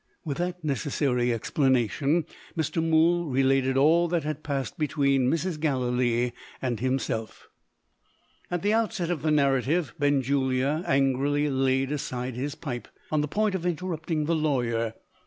With that necessary explanation, Mr. Mool related all that had passed between Mrs. Gallilee and himself. At the outset of the narrative, Benjulia angrily laid aside his pipe, on the point of interrupting the lawyer.